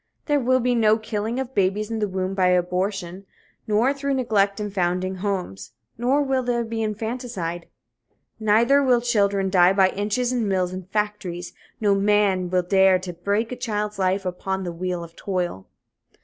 There will be no killing of babies in the womb by abortion, nor through neglect in foundling homes, nor will there be infanticide. Neither will children die by inches in mills and factories. No man will dare to break a child's life upon the wheel of toil.